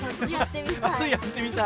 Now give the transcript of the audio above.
やってみたい。